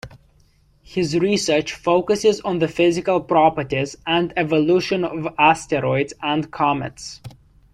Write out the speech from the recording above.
His research focuses on the physical properties and evolution of asteroids and comets.